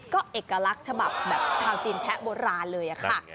ก็เอกลักษณ์ฉบับแบบชาวจีนแพะโบราณเลยค่ะ